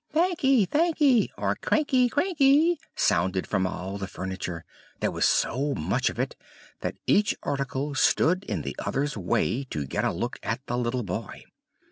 "Thankee! thankee!" or "cranky! cranky!" sounded from all the furniture; there was so much of it, that each article stood in the other's way, to get a look at the little boy.